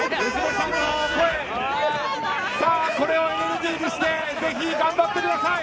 これをエネルギーにぜひ頑張ってください。